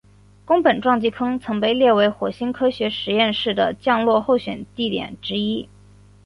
宫本撞击坑曾被列为火星科学实验室的降落候选地点之一。